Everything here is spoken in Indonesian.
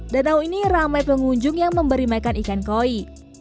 danau ini ramai pengunjung yang memberi makan ikan koi